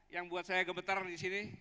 yang buat saya gemetar di sini